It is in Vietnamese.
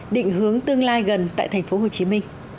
định hướng tương lai gần tại tp hcm